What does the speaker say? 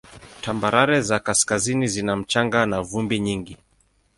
Tambarare za kaskazini zina mchanga na vumbi nyingi.